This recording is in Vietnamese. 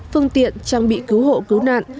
phương tiện trang bị cứu hộ cứu nạn